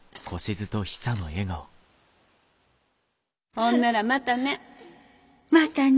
ほんならまたね。